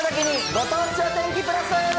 ご当地お天気プラス。